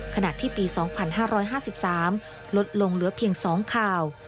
ขณะที่ปี๒๕๕๓ลดลงเหลือเพียง๒ข่าว